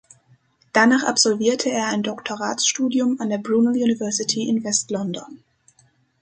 Danach absolvierte er ein Doktoratsstudium an der Brunel University in West London.